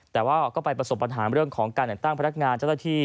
แต่ว่าไปประสบปัญหาในการแต่งตั้งพนักงานเจ้าตะที่